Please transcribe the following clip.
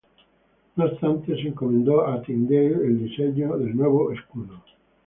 No obstante, se encomendó a Tyndale el diseño del nuevo escudo.